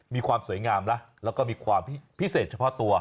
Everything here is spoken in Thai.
มีความสวยงามนะแล้วก็มีความพิเศษเฉพาะตัว